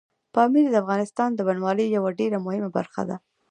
پامیر د افغانستان د بڼوالۍ یوه ډېره مهمه برخه ده.